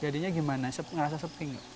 jadinya gimana ngerasa sepi nggak